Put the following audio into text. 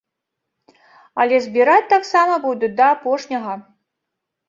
Але збіраць таксама будуць да апошняга.